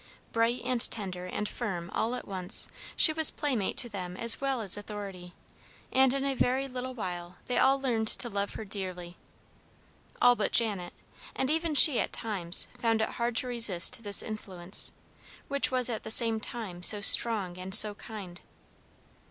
Bright and tender and firm all at once, she was playmate to them as well as authority, and in a very little while they all learned to love her dearly, all but Janet; and even she, at times, found it hard to resist this influence, which was at the same time so strong and so kind.